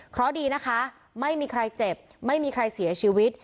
เพราะดีนะคะไม่มีใครเจ็บไม่มีใครเสียชีวิต